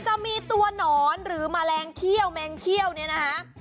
จะมีตัวหนอนหรือแมลงเขี้ยวแมงเขี้ยวเนี่ยนะคะ